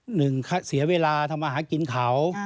หนึ่งเสียเวลาทำอาหารกินเขา